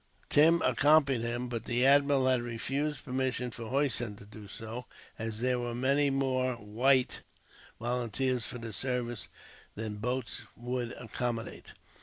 Tim accompanied him, but the admiral had refused permission for Hossein to do so, as there were many more white volunteers for the service than the boats would accommodate.